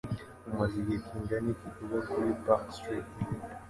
Umaze igihe kingana iki uba kuri Park Street?